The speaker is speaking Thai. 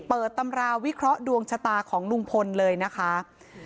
ตำราวิเคราะห์ดวงชะตาของลุงพลเลยนะคะ